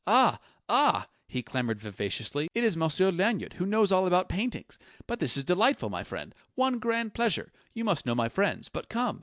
"Ah! Ah!" he clamoured vivaciously. "It is Monsieur Lanyard, who knows all about paintings! But this is delightful, my friend one grand pleasure! You must know my friends.... But come!"